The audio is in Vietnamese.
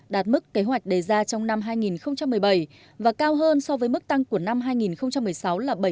đạt mức kế hoạch đề ra trong năm hai nghìn một mươi bảy và cao hơn so với mức tăng của năm hai nghìn một mươi sáu là bảy mươi